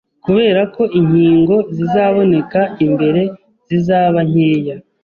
Kubera ko inkingo zizaboneka mbere zizaba nkeya,